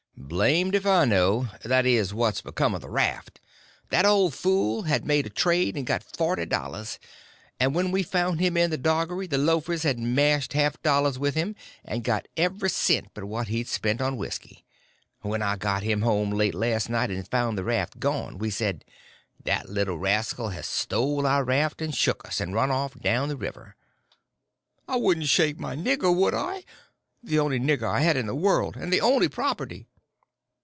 "Blamed if I know—that is, what's become of the raft. That old fool had made a trade and got forty dollars, and when we found him in the doggery the loafers had matched half dollars with him and got every cent but what he'd spent for whisky; and when I got him home late last night and found the raft gone, we said, 'That little rascal has stole our raft and shook us, and run off down the river.'" "I wouldn't shake my nigger, would I?—the only nigger I had in the world, and the only property."